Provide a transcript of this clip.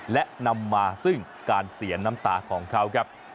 และนำมาซึ่งการเสียน้ำตาของเขาครับ